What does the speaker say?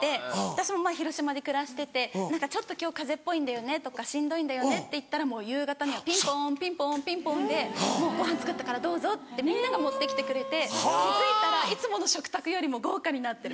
私も広島で暮らしてて「何かちょっと今日風邪っぽいんだよね」とか「しんどいんだよね」って言ったらもう夕方にはピンポンピンポンピンポンでもう「ごはん作ったからどうぞ」ってみんなが持って来てくれて気付いたらいつもの食卓よりも豪華になってる。